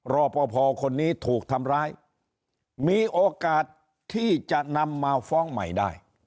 รอปภคนนี้ถูกทำร้ายมีโอกาสที่จะนำมาฟ้องใหม่ได้